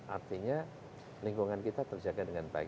artinya lingkungan kita terjaga dengan baik